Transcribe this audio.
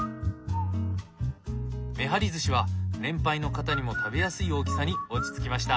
めはりずしは年配の方にも食べやすい大きさに落ち着きました。